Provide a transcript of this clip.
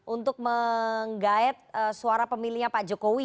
untuk menggait suara pemilihnya pak jokowi